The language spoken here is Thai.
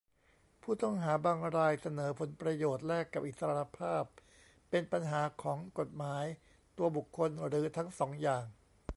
ผู้ต้องหาบางรายเสนอผลประโยชน์แลกกับอิสรภาพ เป็นปัญหาของกฎหมาย ตัวบุคคล หรือทั้งสองอย่าง